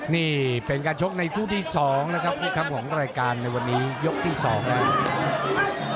นี่เป็นการโชคในคู่ที่สองนะครับครับผมรายการในวันนี้ยกที่สองนะครับ